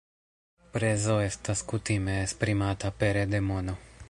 Prezo estas kutime esprimata pere de mono.